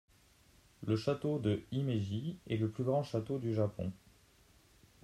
Le château de Himeji est le plus grand château du Japon.